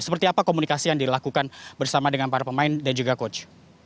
seperti apa komunikasi yang dilakukan bersama dengan para pemain dan juga coach